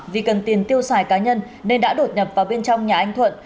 vì cần tiền tiêu xài cá nhân nên đã đột nhập vào bên trong nhà anh thuận